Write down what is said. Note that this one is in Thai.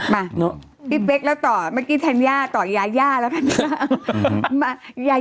มาพี่เป๊กแล้วต่อเมื่อกี้ธัญญาต่อยาย่าแล้วกันนะ